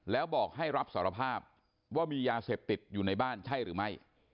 แล้วบอกให้รับสารภาพว่ามียาเสพติดอยู่ในบ้านใช่หรือไม่